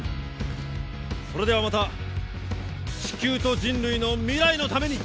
それではまた地球と人類の未来のために。